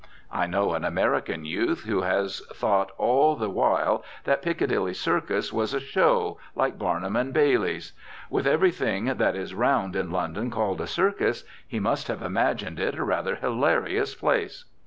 I know an American youth who has thought all the while that Piccadilly Circus was a show, like Barnum and Bailey's. With every thing that is round in London called a circus, he must have imagined it a, rather hilarious place.